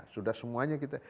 sudah semuanya kita